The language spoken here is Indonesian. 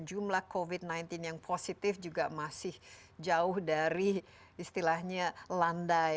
jumlah covid sembilan belas yang positif juga masih jauh dari istilahnya landai